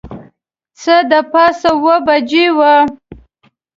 څه د پاسه اوه بجې وې.